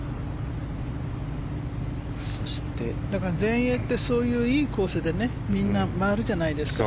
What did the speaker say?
全英ってそういういいコースでみんな回るじゃないですか。